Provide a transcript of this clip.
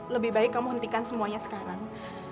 lebih baik kamu hentikan semuanya sekarang